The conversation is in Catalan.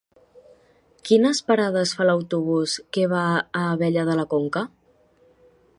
Quines parades fa l'autobús que va a Abella de la Conca?